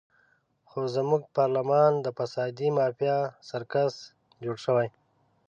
خو زموږ پارلمان د فسادي مافیا سرکس جوړ شوی.